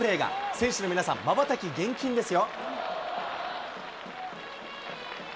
選手の皆さん、まばたき厳禁ですよ。